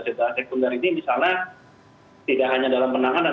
cedera sekunder ini misalnya tidak hanya dalam penanganan